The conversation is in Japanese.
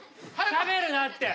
しゃべるなって。